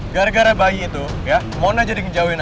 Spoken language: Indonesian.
gara gara bayi itu ya